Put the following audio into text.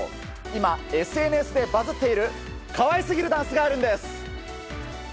今、ＳＮＳでバズっている可愛すぎるダンスがあるんです！